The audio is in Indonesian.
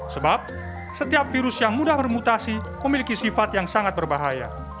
sebab setiap virus yang mudah bermutasi memiliki sifat yang sangat berbahaya